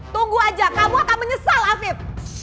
tunggu aja kamu akan menyesal hafib